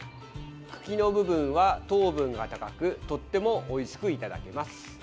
茎の部分は糖分が高くとてもおいしくいただけます。